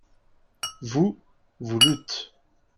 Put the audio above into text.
vous, vous lûtes.